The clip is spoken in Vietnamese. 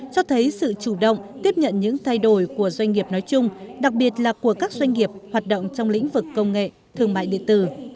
cho thấy sự chủ động tiếp nhận những thay đổi của doanh nghiệp nói chung đặc biệt là của các doanh nghiệp hoạt động trong lĩnh vực công nghệ thương mại điện tử